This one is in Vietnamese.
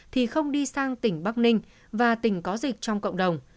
thì không đi sang tỉnh bắc ninh và tỉnh có dịch trong cộng đồng